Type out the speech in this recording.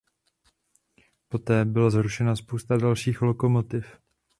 Poté byla zrušena spousta dalších lokomotiv.